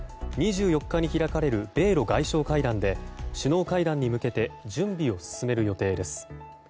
２４日に開かれる米露外相会談で首脳会談に向けて準備を進める予定です。